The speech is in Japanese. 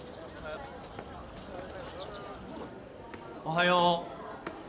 おはよう。